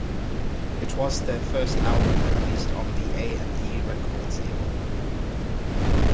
It was their first album released on the A and E Records label.